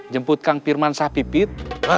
jemput kang pirman sah pipit